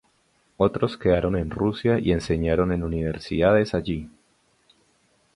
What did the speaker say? Otros quedaron en Rusia y enseñaron en universidades allí.